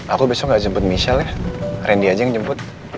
aku besok gak jemput michelle ya randy aja yang jemput